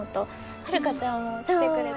遥ちゃんも来てくれて。